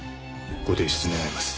ご提出願います。